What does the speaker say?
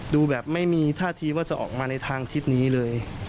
ดูแบบไม่มีท่าทีว่าจะออกมาในทางทิศนี้เลย